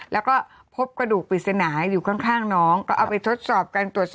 แล้วก็พบกระดูกปริศนาอยู่ข้างน้องก็เอาไปทดสอบการตรวจสอบ